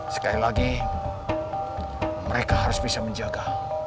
sekali lagi mereka harus bisa menjaga